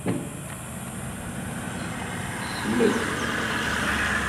Smed.